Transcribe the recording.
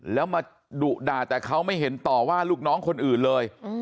แล้วมาดุด่าแต่เขาไม่เห็นต่อว่าลูกน้องคนอื่นเลย